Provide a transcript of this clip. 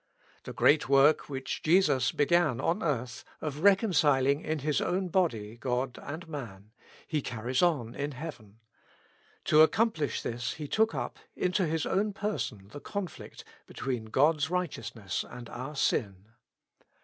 The great work which Jesus began on earth of reconciling in His own body God and man, He carries on in heaven. To accomplish this He took up into His own person the conflict between God's righteousness and our sin.